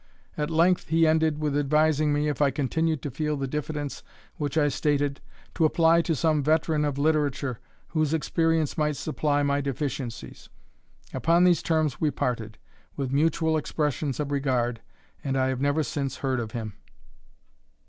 At length he ended, with advising me, if I continued to feel the diffidence which I stated, to apply to some veteran of literature, whose experience might supply my deficiencies. Upon these terms we parted, with mutual expressions of regard, and I have never since heard of him.